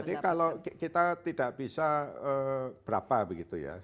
jadi kalau kita tidak bisa berapa begitu ya